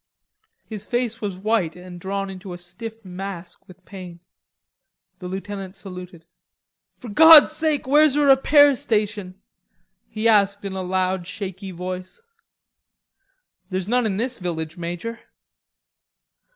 His face was white and drawn into a stiff mask with pain. The lieutenant saluted. "For God's sake where's a repair station?" he asked in a loud shaky voice. "There's none in this village, Major."